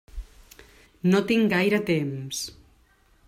No tinc gaire temps.